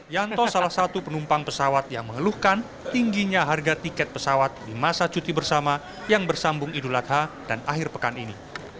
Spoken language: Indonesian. yanto salah satu penumpang pesawat yang mengeluhkan tingginya harga tiket pesawat di masa cuti bersama yang bersambung idul adha dan akhir pekan ini